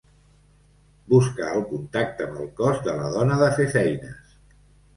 Buscar el contacte amb el cos de la dona de fer feines.